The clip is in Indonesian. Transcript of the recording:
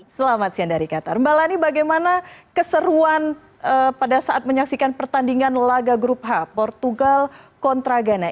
selamat siang dari qatar mbak lani bagaimana keseruan pada saat menyaksikan pertandingan laga grup h portugal kontragen